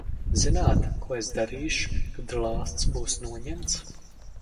Zināt, ko es darīšu, kad lāsts būs noņemts?